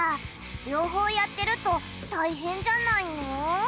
両方やってると大変じゃないの？